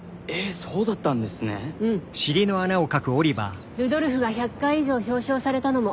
そうだったんですか。